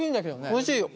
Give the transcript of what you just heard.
おいしいよ。